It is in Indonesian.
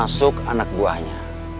termasuk anak buahnya